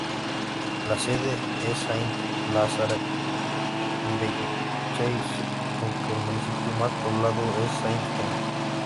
La sede es Saint-Lazare-de-Bellechasse aunque el municipio más poblado es Saint-Henri.